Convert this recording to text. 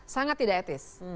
sangat tidak etis